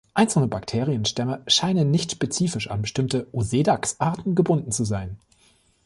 Einzelne Bakterienstämme scheinen nicht spezifisch an bestimmte "Osedax"-Arten gebunden zu sein.